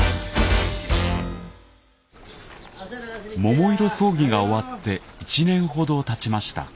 桃色争議が終わって１年ほどたちました。